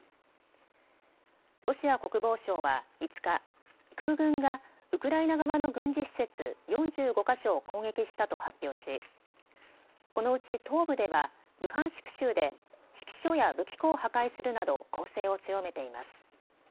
ロシア国防省は５日、空軍がウクライナ側の軍事施設４５か所を攻撃したと発表しこのうち東部ではルハンシク州で指揮所や武器庫を破壊するなど攻勢を強めています。